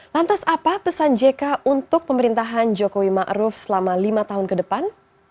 lantas apa pesan jk untuk pemerintahan jokowi ma'ruf selama lima tahun ke depan